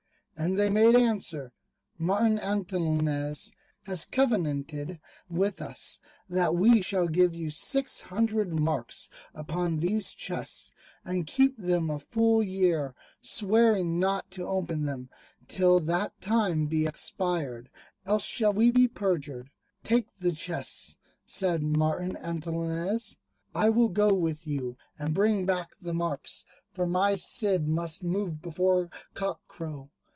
And they made answer, "Martin Antolinez has covenanted with us, that we shall give you six hundred marks upon these chests, and keep them a full year, swearing not to open them till that time be expired, else shall we be perjured." "Take the chests," said Martin Antolinez; "I will go with you, and bring back the marks, for my Cid must move before cock crow."